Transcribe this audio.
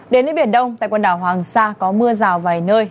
đến với biển đông tại quần đảo hoàng sa có mưa rào vài nơi